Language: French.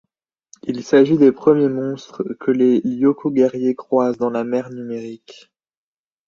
Il s'agit des premiers monstres que les Lyoko-guerriers croisent dans la Mer numérique.